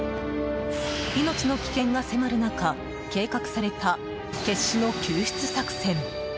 命の危険が迫る中、計画された決死の救出作戦。